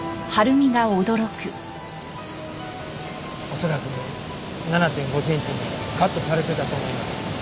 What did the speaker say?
恐らく７．５センチにカットされてたと思います。